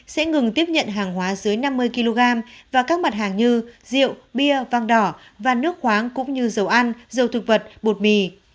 sẽ ngừng tiếp nhận hàng hóa dưới năm mươi kg và các mặt hàng như rượu bia vàng đỏ và nước khoáng cũng như dầu ăn dầu thực vật bột mì